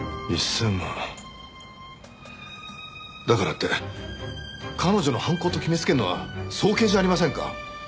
だからって彼女の犯行と決めつけるのは早計じゃありませんか？